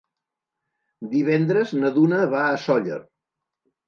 Divendres na Duna va a Sóller.